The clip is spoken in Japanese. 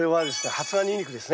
発芽ニンニクですね。